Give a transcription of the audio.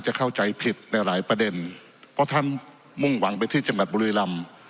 เข้าใจผิดในหลายประเด็นเพราะท่านมุ่งหวังไปที่จังหวัดบุรีรำ